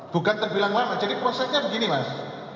bukan terbilang lama jadi prosesnya begini mas